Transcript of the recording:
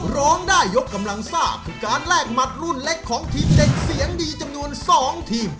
ร้องได้ยกกำลังซ่าคือการแลกหมัดรุ่นเล็กของทีมเด็กเสียงดีจำนวน๒ทีม